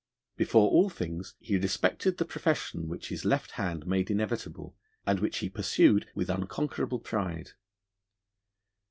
Before all things he respected the profession which his left hand made inevitable, and which he pursued with unconquerable pride.